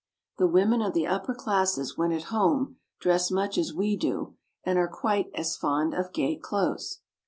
The women of the upper classes when at home dress much as we do, and are quite as fond of gay clothes.